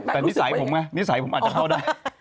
แต่นิสัยผมไงนิสัยผมอาจจะเข้าได้